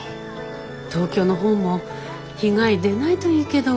東京の方も被害出ないといいけど。